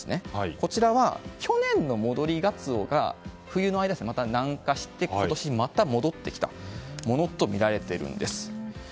こちらは去年の戻りガツオが冬の間にまた、南下して今年また戻ってきたものとみられているんです。